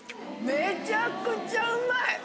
めちゃくちゃうまい！